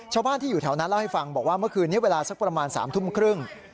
ชาวบ้านที่อยู่แถวนั้นเล่าให้ฟังบอกว่าเมื่อคืนนี้เวลาสักประมาณ๓ทุ่มครึ่ง